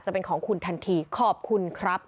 จะเป็นของคุณทันทีขอบคุณครับ